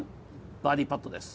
バーディパットです。